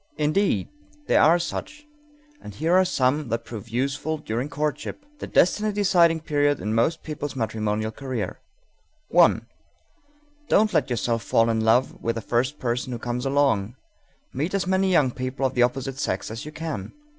Indeed, there are such, and here are some that prove useful during courtship, the destiny deciding period in most people's matrimonial career: _1. Don't let yourself fall in love with the first person who comes along; meet as many young people of the opposite sex as you can.